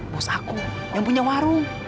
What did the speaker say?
bos aku yang punya warung